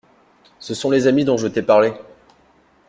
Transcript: Ce sont les amis dont je t’ai parlé!